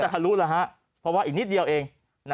ทะลุแล้วฮะเพราะว่าอีกนิดเดียวเอง